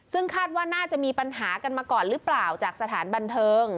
ซึ่งคาดว่าน่าจะมีปัญหากันมาก่อนหรือเปล่าจากสถานบันเทิง